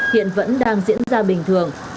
hiện vẫn đang diễn ra bình thường